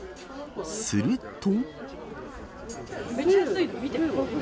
すると。